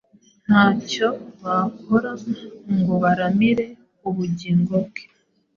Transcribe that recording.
ntacyo bakora ngo baramire ubugingo bwe,